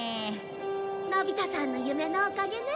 のび太さんの夢のおかげね。